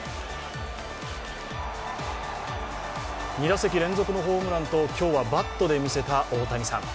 ２打席連続のホームランと今日はバットで見せた大谷さん。